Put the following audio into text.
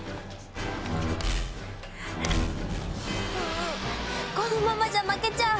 ううこのままじゃ負けちゃう。